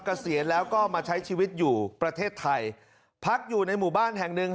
เกษียณแล้วก็มาใช้ชีวิตอยู่ประเทศไทยพักอยู่ในหมู่บ้านแห่งหนึ่ง